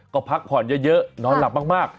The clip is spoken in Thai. ก็พักผ่อนเยอะนอนหลับมาก